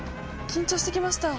緊張してきました。